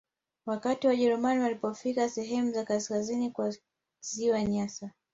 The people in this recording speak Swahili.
Wakati Wajerumani walipofika sehemu za kaskazini kwa Ziwa Nyasa